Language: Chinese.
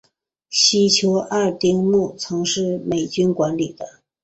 西丘二丁目曾是美军管理的。